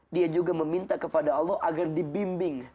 dia juga meminta kepada allah agar dibimbing